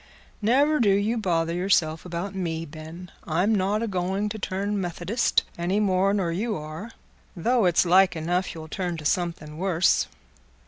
"Never do you bother yourself about me, Ben. I'm not a going to turn Methodist any more nor you are—though it's like enough you'll turn to something worse.